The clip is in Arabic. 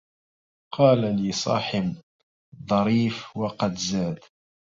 قال لي صاحب ظريف وقد زاد